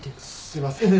すいません。